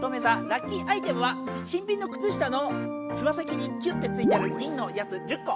ラッキーアイテムは新ぴんのくつ下のつま先にぎゅってついてるぎんのやつ１０個。